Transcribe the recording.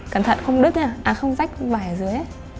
cẩn thận không rách bãi ở dưới